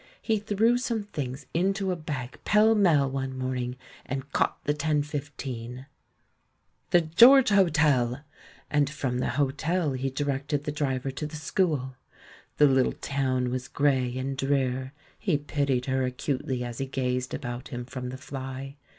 He threw some things into a bag pellmell one morning, and caught the 10.15. "The George Hotel!" — and from the hotel he directed the driver to the school. The little town was grey and drear; he pitied her acutely as he gazed about him from the fly.